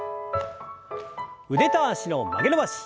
腕と脚の曲げ伸ばし。